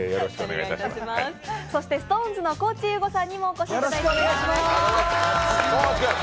そしてＳｉｘＴＯＮＥＳの高地優吾さんにもお越しいただきました。